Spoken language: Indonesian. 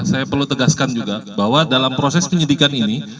saya perlu tegaskan juga bahwa dalam proses penyidikan ini